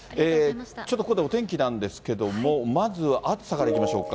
ちょっとここでお天気なんですけれども、まず暑さからいきましょうか。